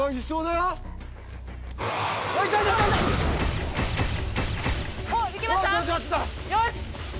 よし！